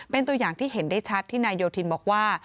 เป็นตัวอย่างที่เห็นได้ชัดที่นายโยธินบอกว่า